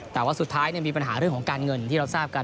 แต่ว่าสุดท้ายมีปัญหาเรื่องของการเงินที่เราทราบกัน